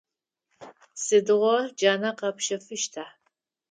Сыдигъо джанэ къэпщэфыщта?